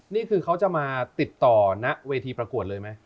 นี่คือเขาจะมาติดต่อณเวทีประกวดเลยไหม